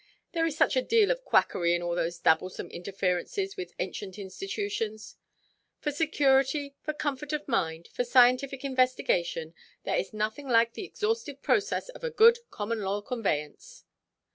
There is such a deal of quackery in all those dabblesome interferences with ancient institutions. For security, for comfort of mind, for scientific investigation, there is nothing like the exhaustive process of a good common law conveyance.